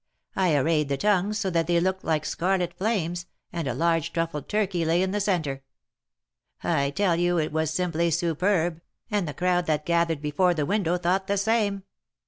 I arrayed the tongues so that they looked like scarlet flames, and a large truffled turkey lay in the centre. I tell you it was simply superb, and the crowd that gathered before the window thought the same.